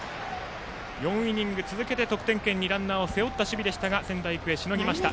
４イニング続けて得点圏にランナーを背負った守備でしたが仙台育英、しのぎました。